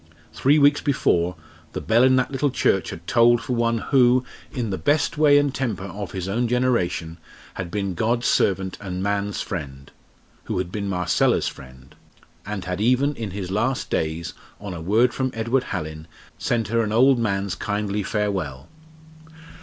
Three weeks before, the bell in that little church had tolled for one who, in the best way and temper of his own generation, had been God's servant and man's friend who had been Marcella's friend and had even, in his last days, on a word from Edward Hallin, sent her an old man's kindly farewell.